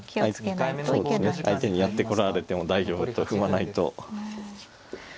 相手にやって来られても大丈夫と踏まないと。